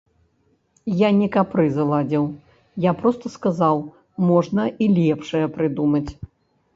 Я не капрызы ладзіў, я проста сказаў, можна і лепшае прыдумаць.